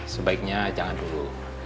sebaiknya jangan dulu